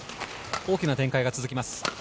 大きな展開が続きます。